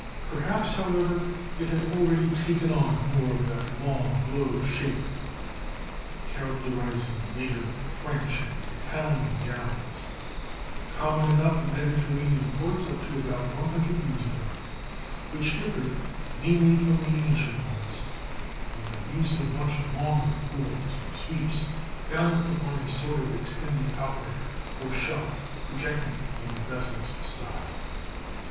Perhaps, however, they had already taken on more of that long, low shape characterizing later the French and Italian galleys, common enough in Mediterranean ports up to about one hundred years ago, which differed mainly from the ancient ones in their use of much longer oars or sweeps, balanced upon a sort of extended outrigger or shelf projecting from the vessel's side.